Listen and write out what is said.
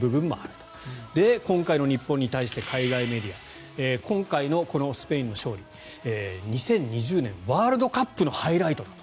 そして、今回の日本に対して海外メディア今回のこのスペインの勝利２０２２年ワールドカップのハイライトだと。